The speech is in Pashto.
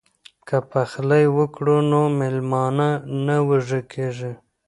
که پخلی وکړو نو میلمانه نه وږي کیږي.